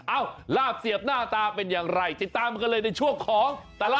อ้าวลาบเสียบหน้าตาเป็นอย่างไรตามกันเลยในช่วงของตาลอลกิน